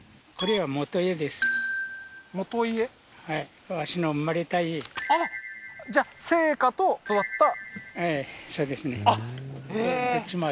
はいあっじゃあ生家と育ったええそうですね